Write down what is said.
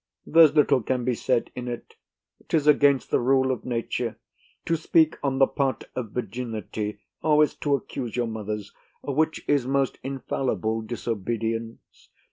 There's little can be said in't; 'tis against the rule of nature. To speak on the part of virginity is to accuse your mothers; which is most infallible disobedience.